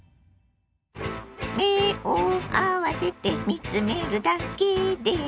目を合わせて見つめるだけでＵＦＯ